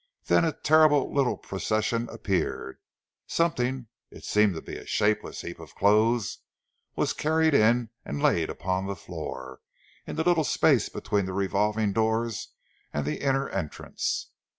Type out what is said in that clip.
Then a terrible little procession appeared. Something it seemed to be a shapeless heap of clothes was carried in and laid upon the floor, in the little space between the revolving doors and the inner entrance.